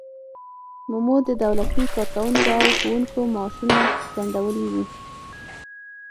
مومو د دولتي کارکوونکو او ښوونکو معاشونه ځنډولي وو.